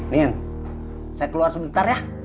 nin saya keluar sebentar ya